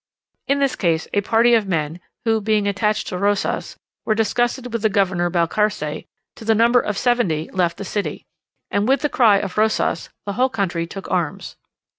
In this case, a party of men who, being attached to Rosas, were disgusted with the governor Balcarce to the number of seventy left the city, and with the cry of Rosas the whole country took arms.